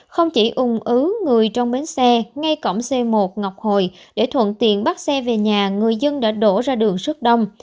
không chỉ ung ứ người trong bến xe ngay cổng c một ngọc hồi để thuận tiện bắt xe về nhà người dân đã đổ ra đường rất đông